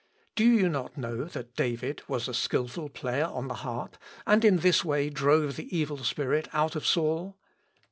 Do you not know that David was a skilful player on the harp, and in this way drove the evil spirit out of Saul?